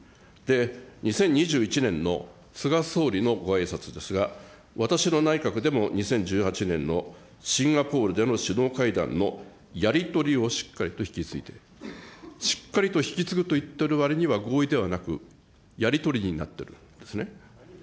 ２０２１年の菅総理のごあいさつですが、私の内閣でも２０１８年のシンガポールでの首脳会談のやり取りをしっかりと引き継いで、しっかりと引き継ぐと言ってるわりには合意ではなく、やり取りになっているんですね。